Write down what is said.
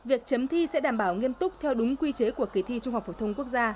việc chấm thi sẽ đảm bảo nghiêm túc theo đúng quy chế của kỳ thi trung học phổ thông quốc gia